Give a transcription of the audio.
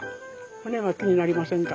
骨は気になりませんか？